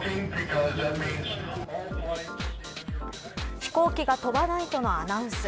飛行機が飛ばないとのアナウンス。